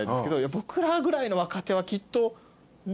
僕らぐらいの若手はきっと。